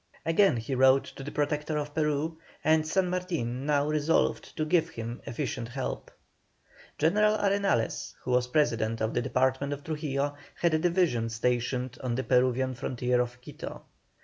Again he wrote to the Protector of Peru, and San Martin now resolved to give him efficient help. General Arenales, who was president of the department of Trujillo, had a division stationed on the Peruvian frontier of Quito.